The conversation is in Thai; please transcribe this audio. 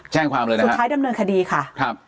สุดท้ายดำเนินคดีครับ